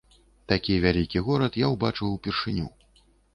Такі вялікі горад я ўбачыў упершыню.